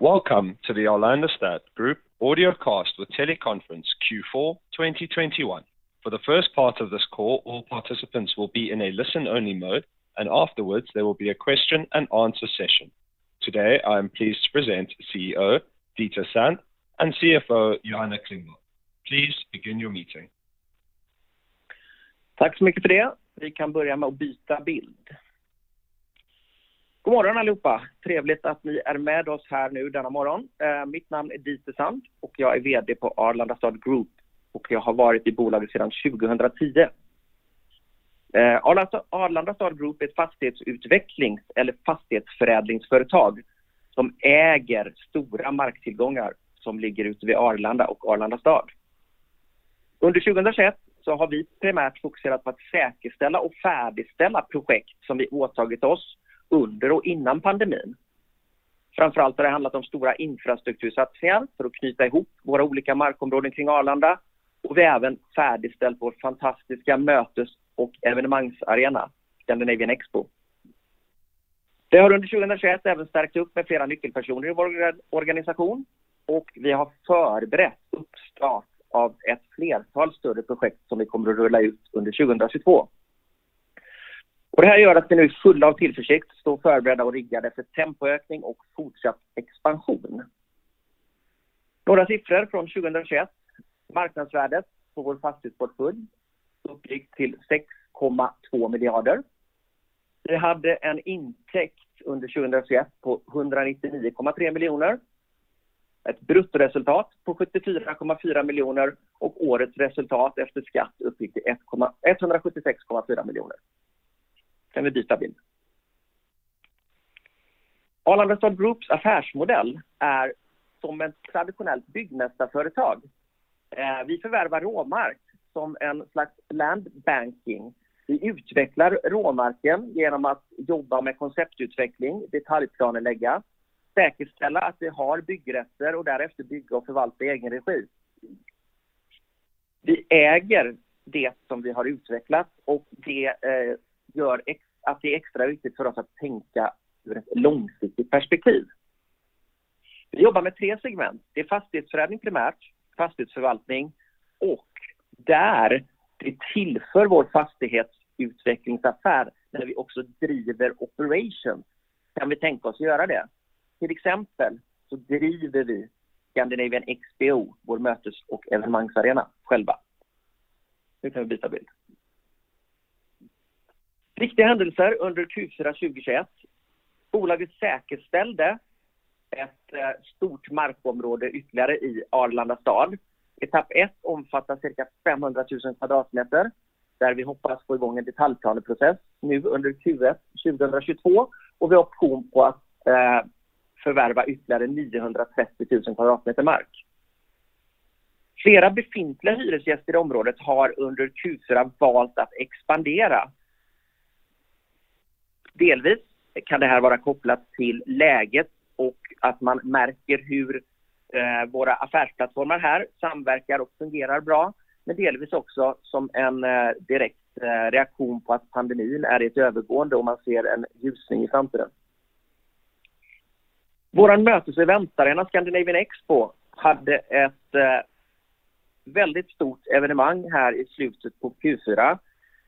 Welcome to the Arlandastad Group Audiocast with teleconference Q4 2021. For the first part of this call, all participants will be in a listen only mode and afterwards there will be a question and answer session. Today I am pleased to present CEO Dieter Sand and CFO Johanna Klingvall. Please begin your meeting. Tack så mycket för det. Vi kan börja med att byta bild. God morgon allihopa. Mitt namn är Dieter Sand och jag är VD på Arlandastad Group och jag har varit i bolaget sedan 2010. Arlandastad Group är ett fastighetsutvecklings- eller fastighetsförädlingsföretag som äger stora marktillgångar som ligger ute vid Arlanda och Arlandastad. Under 2021 så har vi primärt fokuserat på att säkerställa och färdigställa projekt som vi åtagit oss under och innan pandemin. Framför allt har det handlat om stora infrastruktursatsningar för att knyta ihop våra olika markområden kring Arlanda. Vi har även färdigställt vår fantastiska mötes- och evenemangsarena, Scandinavian XPO. Vi har under 2021 även stärkt upp med flera nyckelpersoner i vår organisation och vi har förberett uppstart av ett flertal större projekt som vi kommer att rulla ut under 2022. Det här gör att vi nu fulla av tillförsikt står förberedda och riggade för tempoökning och fortsatt expansion. Några siffror från 2021. Marknadsvärdet på vår fastighetsportfölj uppgick till SEK 6.2 miljarder. Vi hade en intäkt under 2021 på SEK 199.3 miljoner. Ett bruttoresultat på SEK 74.4 miljoner och årets resultat efter skatt uppgick till SEK 176.4 miljoner. Kan vi byta bild? Arlandastad Groups affärsmodell är som ett traditionellt byggmästarföretag. Vi förvärvar råmark som en slags land banking. Vi utvecklar råmarken genom att jobba med konceptutveckling, detaljplanlägga, säkerställa att vi har byggrätter och därefter bygga och förvalta i egen regi. Vi äger det som vi har utvecklat och det gör att det är extra viktigt för oss att tänka ur ett långsiktigt perspektiv. Vi jobbar med tre segment. Det är fastighetsförädling primärt, fastighetsförvaltning och där vi tillför vår fastighetsutvecklingsaffär när vi också driver operation. Kan vi tänka oss att göra det? Till exempel så driver vi Scandinavian XPO, vår mötes- och evenemangsarena själva. Nu kan vi byta bild. Viktiga händelser under 2021. Bolaget säkerställde ett stort markområde ytterligare i Arlandastad. Etapp ett omfattar cirka 500,000 sq m där vi hoppas få i gång en detaljplaneprocess nu under Q1 2022 och vi har option på att förvärva ytterligare 930,000 sq m mark. Flera befintliga hyresgäster i området har under Q4 valt att expandera. Delvis kan det här vara kopplat till läget och att man märker hur våra affärsplattformar här samverkar och fungerar bra, men delvis också som en direkt reaktion på att pandemin är i ett övergående om man ser en ljusning i framtiden. Vår möteseventarena Scandinavian XPO hade ett väldigt stort evenemang här i slutet på Q4.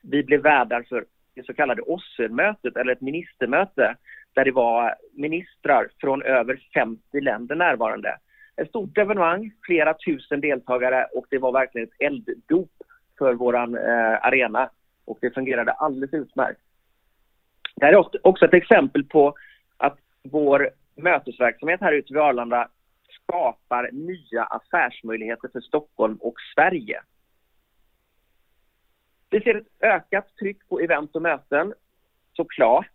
Vi blev värdar för det så kallade OSCE-mötet eller ett ministermöte där det var ministrar från över 50 länder närvarande. Ett stort evenemang, flera tusen deltagare och det var verkligen ett elddop för våran arena och det fungerade alldeles utmärkt. Det här är också ett exempel på att vår mötesverksamhet här ute vid Arlanda skapar nya affärsmöjligheter för Stockholm och Sverige. Vi ser ett ökat tryck på event och möten, så klart,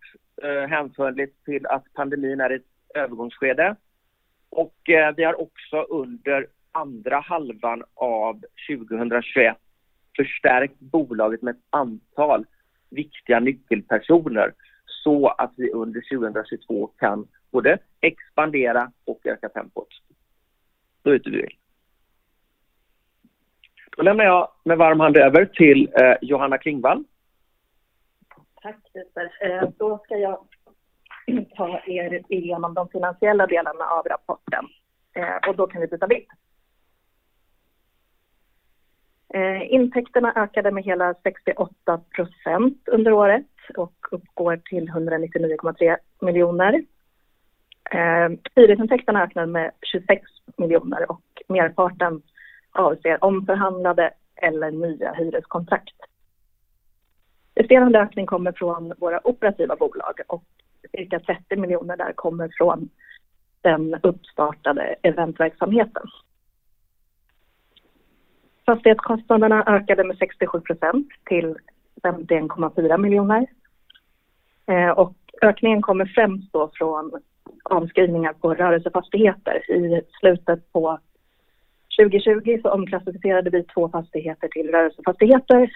hänförligt till att pandemin är i ett övergångsskede. Vi har också under andra halvan av 2021 förstärkt bolaget med ett antal viktiga nyckelpersoner så att vi under 2022 kan både expandera och öka tempot. Då lämnar jag med varm hand över till Johanna Klingvall. Tack Dieter. Då ska jag ta er igenom de finansiella delarna av rapporten. Och då kan vi byta bild. Intäkterna ökade med hela 68% under året och uppgår till SEK 199.3 miljoner. Hyresintäkterna har ökat med SEK 26 miljoner och merparten avser omförhandlade eller nya hyreskontrakt. Resten av den ökning kommer från våra operativa bolag och cirka SEK 30 miljoner där kommer från den uppstartade eventverksamheten. Fastighetskostnaderna ökade med 67% till SEK 51.4 miljoner. Och ökningen kommer främst då från avskrivningar på rörelsefastigheter. I slutet på 2020 så omklassificerade vi två fastigheter till rörelsefastigheter,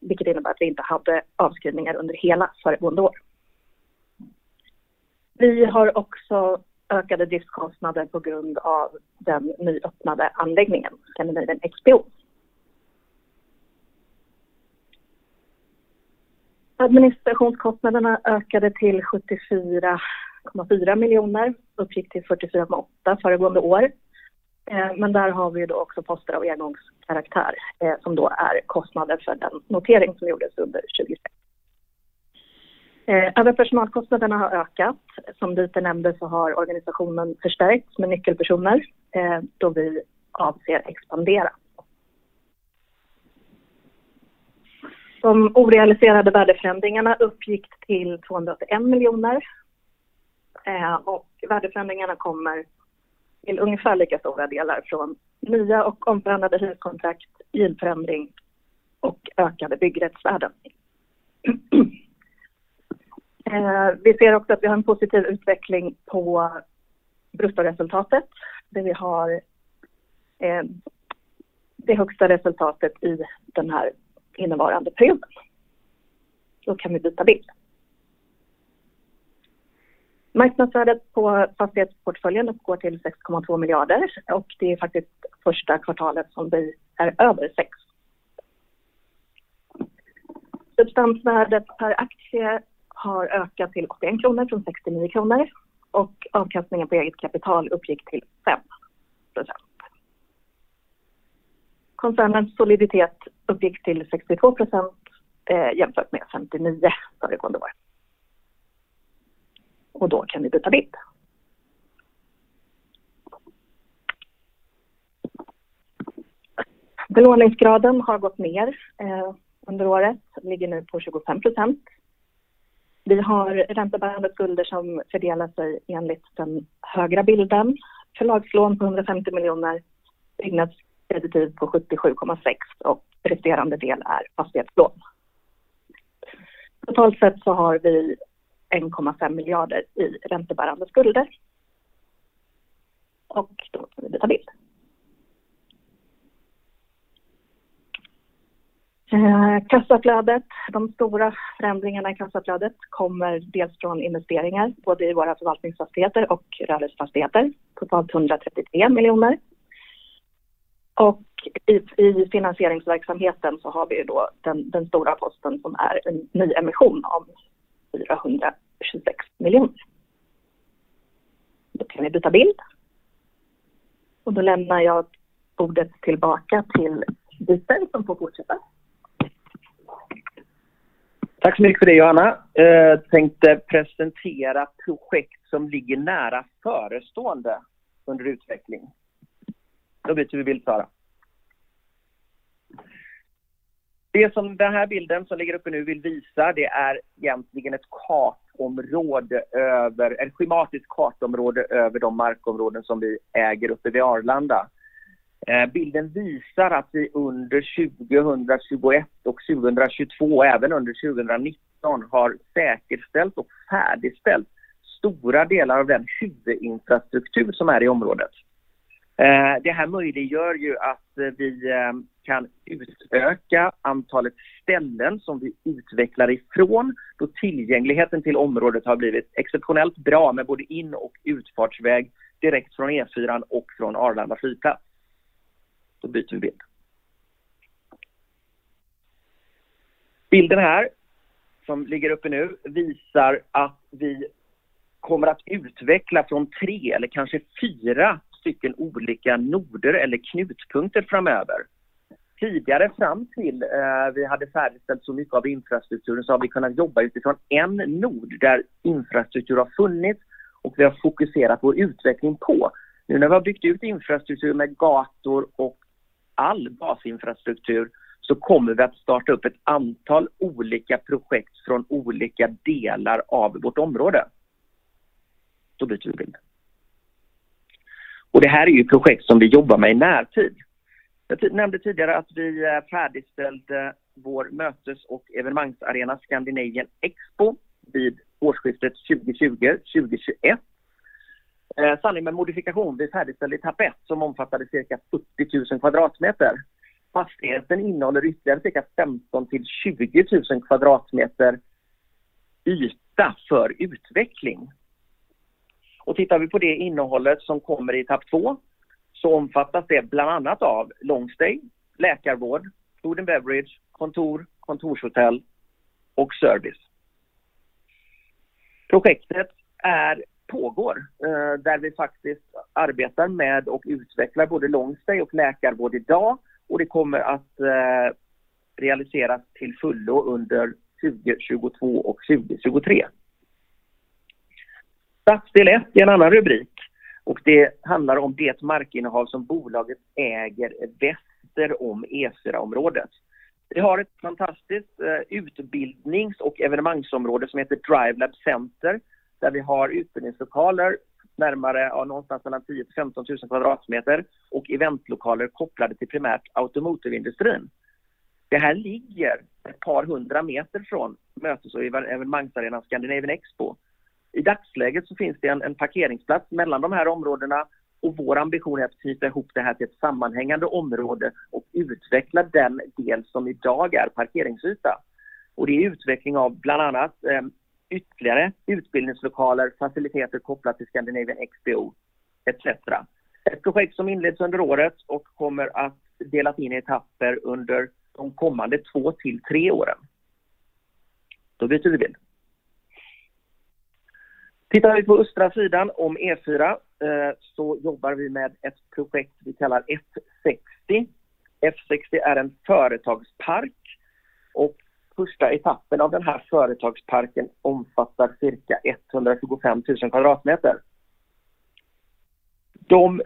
vilket innebär att vi inte hade avskrivningar under hela föregående år. Vi har också ökade driftskostnader på grund av den nyöppnade anläggningen, Scandinavian XPO. Administrationskostnaderna ökade till SEK 74.4 miljoner, uppgick till SEK 44.8 föregående år. Men där har vi då också poster av engångskaraktär, som då är kostnaden för den notering som gjordes under 2016. Personalkostnaderna har ökat. Som Dieter nämnde så har organisationen förstärkts med nyckelpersoner, då vi avser expandera. De orealiserade värdeförändringarna uppgick till SEK 281 million. Och värdeförändringarna kommer till ungefär lika stora delar från nya och omförhandlade hyreskontrakt, hyresförändring och ökade byggrättsvärden. Vi ser också att vi har en positiv utveckling på bruttoresultatet, där vi har det högsta resultatet i den här innevarande perioden. Då kan vi byta bild. Marknadsvärdet på fastighetsportföljen uppgår till SEK 6.2 billion och det är faktiskt första kvartalet som vi är över sex. Substansvärdet per aktie har ökat till SEK 71 från SEK 69 och avkastningen på eget kapital uppgick till 5%. Koncernens soliditet uppgick till 62%, jämfört med 59% föregående år. Då kan vi byta bild. Belåningsgraden har gått ner under året och ligger nu på 25%. Vi har räntebärande skulder som fördelar sig enligt den högra bilden. Förlagslån på SEK 150 miljoner, byggnadskreditiv på SEK 77.6 och resterande del är fastighetslån. Totalt sett så har vi SEK 1.5 miljarder i räntebärande skulder. Då kan vi byta bild. Kassaflödet, de stora förändringarna i kassaflödet kommer dels från investeringar, både i våra förvaltningsfastigheter och handelsfastigheter. Totalt SEK 135 miljoner. I finansieringsverksamheten så har vi ju då den stora posten som är en nyemission om SEK 426 miljoner. Då kan vi byta bild. Då lämnar jag bordet tillbaka till Dite som får fortsätta. Tack så mycket för det, Johanna. Tänkte presentera projekt som ligger nära förestående under utveckling. Då byter vi bild, Sara. Det som den här bilden som ligger uppe nu vill visa, det är egentligen en schematisk kartområde över de markområden som vi äger uppe vid Arlanda. Bilden visar att vi under 2021 och 2022, även under 2019 har säkerställt och färdigställt stora delar av den infrastruktur som är i området. Det här möjliggör ju att vi kan utöka antalet ställen som vi utvecklar ifrån, då tillgängligheten till området har blivit exceptionellt bra med både in- och utfartsväg direkt från E4:an och från Arlanda City. Då byter vi bild. Bilden här som ligger uppe nu visar att vi kommer att utveckla från tre eller kanske fyra stycken olika noder eller knutpunkter framöver. Tidigare fram till vi hade färdigställt så mycket av infrastrukturen så har vi kunnat jobba utifrån en nod där infrastruktur har funnits och vi har fokuserat vår utveckling på. Nu när vi har byggt ut infrastruktur med gator och all basinfrastruktur så kommer vi att starta upp ett antal olika projekt från olika delar av vårt område. Då byter vi bild. Det här är ju projekt som vi jobbar med i närtid. Jag nämnde tidigare att vi färdigställde vår mötes- och evenemangsarena Scandinavian XPO vid årsskiftet 2020/2021. Sanningen med modifikation, vi färdigställde etapp 1 som omfattade cirka 70,000 sq m. Fastigheten innehåller ytterligare cirka 15,000-20,000 sq m yta för utveckling. Tittar vi på det innehållet som kommer i etapp 2, så omfattas det bland annat av long stay, läkarvård, food and beverage, kontor, kontorshotell och service. Projektet är pågår, där vi faktiskt arbetar med och utvecklar både long stay och läkarvård idag och det kommer att realiseras till fullo under 2022 och 2023. Stadsdel ett är en annan rubrik och det handlar om det markinnehav som bolaget äger väster om E4-området. Vi har ett fantastiskt utbildnings- och evenemangsområde som heter DRIVELAB Center, där vi har utbildningslokaler, närmare någonstans mellan 10 till 15,000 kvadratmeter och eventlokaler kopplade till primärt automotiveindustrin. Det här ligger ett par 100 meter från mötes- och evenemangsarenan Scandinavian XPO. I dagsläget finns det en parkeringsplats mellan de här områdena och vår ambition är att knyta ihop det här till ett sammanhängande område och utveckla den del som idag är parkeringsyta. Det är utveckling av bland annat ytterligare utbildningslokaler, faciliteter kopplat till Scandinavian XPO. Ett projekt som inleds under året och kommer att delas in i etapper under de kommande 2-3 åren. Då byter vi bild. Tittar vi på östra sidan om E4 så jobbar vi med ett projekt vi kallar F60. F60 är en företagspark och första etappen av den här företagsparken omfattar cirka 125,000 sq m. De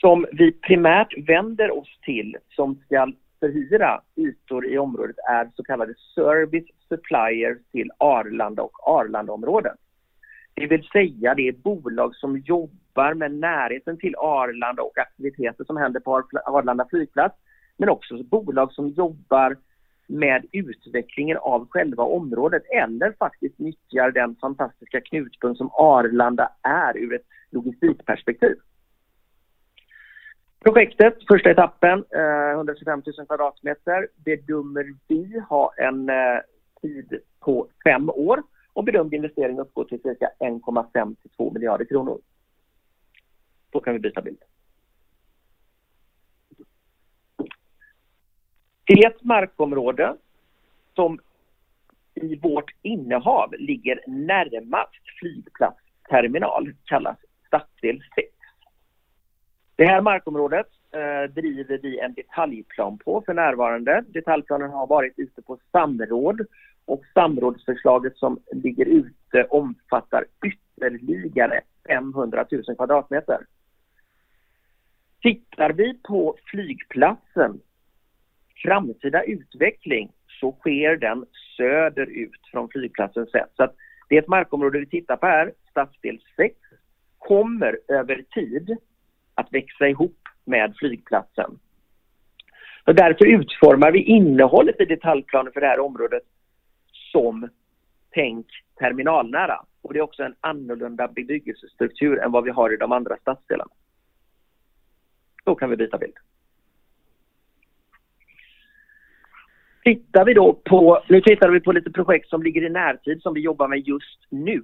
som vi primärt vänder oss till som ska förhyra ytor i området är så kallade service suppliers till Arlanda och Arlanda-området. Det vill säga det bolag som jobbar med närheten till Arlanda och aktiviteter som händer på Arlanda flygplats, men också bolag som jobbar med utvecklingen av själva området eller faktiskt nyttjar den fantastiska knutpunkt som Arlanda är ur ett logistikperspektiv. Projektets första etappen, 125,000 sq m, bedömer vi ha en tid på 5 år och bedömer investering uppgår till cirka SEK 1.5-2 billion kronor. Då kan vi byta bild. Det markområde som i vårt innehav ligger närmast flygplatsterminal kallas stadsdel 6. Det här markområdet driver vi en detaljplan på för närvarande. Detaljplanen har varit ute på samråd och samrådsförslaget som ligger ute omfattar ytterligare 500,000 sq m. Tittar vi på flygplatsens framtida utveckling så sker den söderut från flygplatsens sida. Så att det markområde vi tittar på är stadsdel 6 kommer över tid att växa ihop med flygplatsen. Därför utformar vi innehållet i detaljplanen för det här området som tänkt terminalnära. Det är också en annorlunda bebyggelsestruktur än vad vi har i de andra stadsdelarna. Då kan vi byta bild. Nu tittar vi på lite projekt som ligger i närtid som vi jobbar med just nu.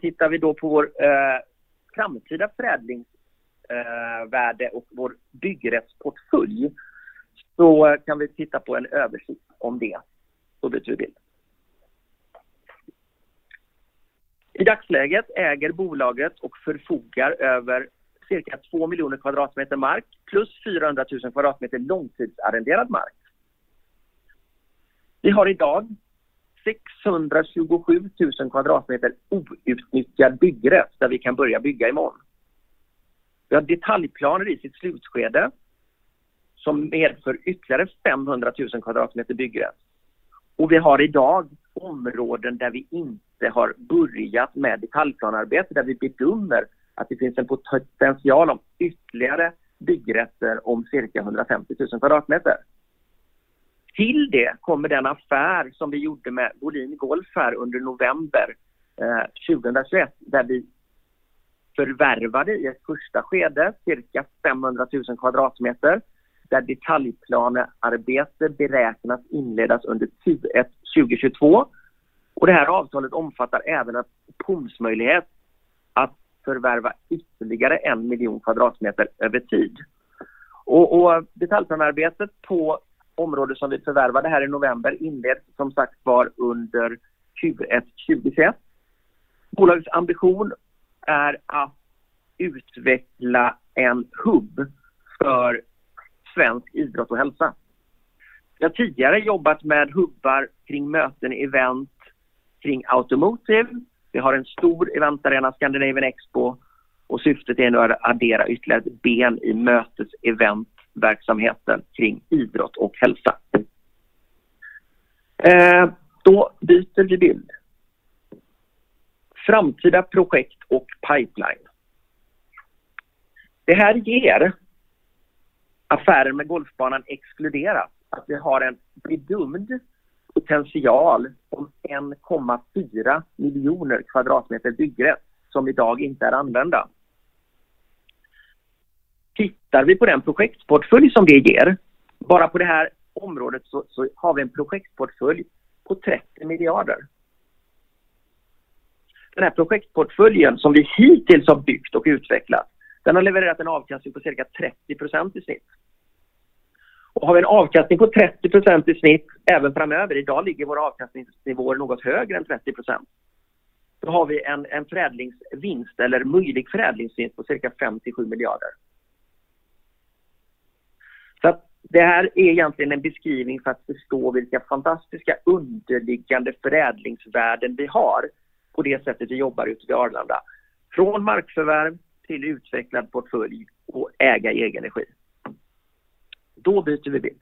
Tittar vi då på vår framtida förädlingsvärde och vår byggrätts portfölj så kan vi titta på en översikt om det. Då byter vi bild. I dagsläget äger bolaget och förfogar över cirka 2 miljoner sq m mark plus 400,000 sq m långtidsarrenderad mark. Vi har i dag 627,000 sq m outnyttjad byggrätt där vi kan börja bygga imorgon. Vi har detaljplaner i sitt slutskede som medför ytterligare 500,000 sq m byggrätt. Vi har i dag områden där vi inte har börjat med detaljplanearbetet, där vi bedömer att det finns en potential om ytterligare byggrätter om cirka 150,000 sq m. Till det kommer den affär som vi gjorde med Bollstanäs Golf här under november 2021, där vi förvärvade i ett första skede cirka 500,000 sq m. Där detaljplanearbete beräknas inledas under Q1 2022. Det här avtalet omfattar även en optionsmöjlighet att förvärva ytterligare 1 million sq m över tid. Detaljplanearbetet på området som vi förvärvade här i november inleds som sagt var under Q1 2021. Bolagets ambition är att utveckla en hub för svensk idrott och hälsa. Vi har tidigare jobbat med hubbar kring möten, event kring automotive. Vi har en stor eventarena, Scandinavian XPO, och syftet är att addera ytterligare ett ben i möteseventverksamheten kring idrott och hälsa. Då byter vi bild. Framtida projekt och pipeline. Det här ger affären med golfbanan exkluderat att vi har en bedömd potential om 1.4 million sq m byggrätt som i dag inte är använda. Tittar vi på den projektportfölj som vi ger, bara på det här området, så har vi en projektportfölj på SEK 30 billion. Den här projektportföljen som vi hittills har byggt och utvecklat, den har levererat en avkastning på cirka 30% i snitt. Har vi en avkastning på 30% i snitt även framöver, idag ligger vår avkastningsnivå något högre än 30%, då har vi en förädlingsvinst eller möjlig förädlingsvinst på cirka SEK 5-7 miljarder. Det här är egentligen en beskrivning för att förstå vilka fantastiska underliggande förädlingsvärden vi har på det sättet vi jobbar ute vid Arlanda. Från markförvärv till utvecklad portfölj och äga egen energi. Byter vi bild.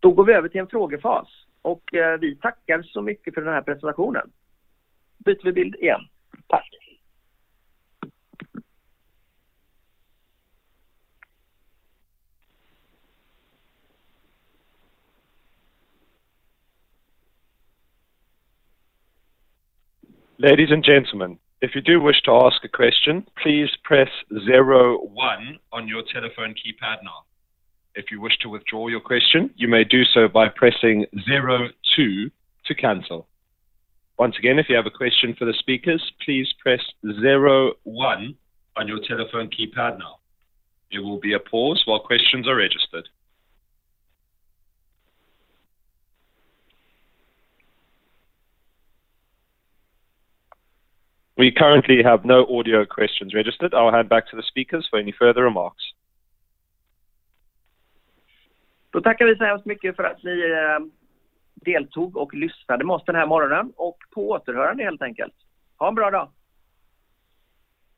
Går vi över till en frågefas. Vi tackar så mycket för den här presentationen. Byter vi bild igen. Tack! Ladies and gentlemen, if you do wish to ask a question, please press 01 on your telephone keypad now. If you wish to withdraw your question, you may do so by pressing 02 to cancel. Once again, if you have a question for the speakers, please press 01 on your telephone keypad now. There will be a pause while questions are registered. We currently have no audio questions registered. I'll hand back to the speakers for any further remarks. Då tackar vi så hemskt mycket för att ni deltog och lyssnade på den här morgonen och på återhörande helt enkelt. Ha en bra dag.